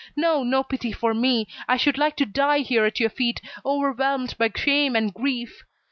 No, no pity for me. I should like to die here at your feet, overwhelmed by shame and grief."